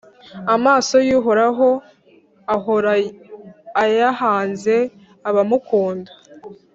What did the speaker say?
Amaso y’Uhoraho ahora ayahanze abamukunda,